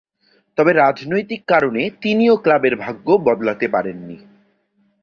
তবে রাজনৈতিক কারণে তিনিও ক্লাবের ভাগ্য বদলাতে পারেননি।